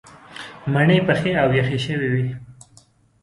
مڼې پخې او یخې شوې وې.